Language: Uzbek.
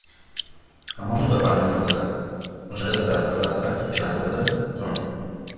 Hamon Muzaffarning yodida — o‘shanda dadasi bir lahza ikkilanib turdi-da, so‘ng: